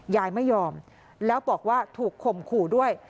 ยายไม่ยอมแล้วบอกว่าถูกข่มขู่ด้วย